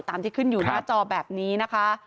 ที่ขึ้นอยู่หน้าจอแบบนี้นะคะ